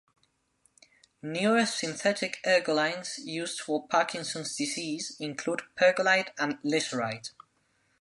Newer synthetic ergolines used for Parkinson's disease include pergolide and lisuride.